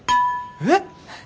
えっ？